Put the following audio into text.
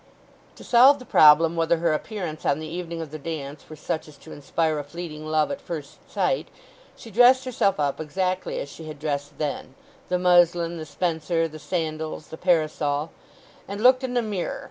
To solve the problem whether her appearance on the evening of the dance were such as to inspire a fleeting love at first sight, she dressed herself up exactly as she had dressed then—the muslin, the spencer, the sandals, the parasol—and looked in the mirror.